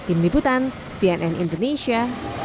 iniputan cnn indonesia